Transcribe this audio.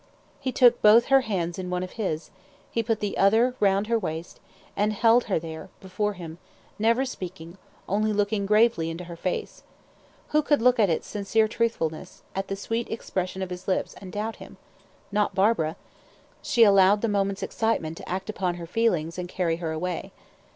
He took both her hands in one of his, he put the other round her waist and held her there, before him, never speaking, only looking gravely into her face. Who could look at its sincere truthfulness, at the sweet expression of his lips, and doubt him? Not Barbara. She allowed the moment's excitement to act upon her feelings, and carry her away.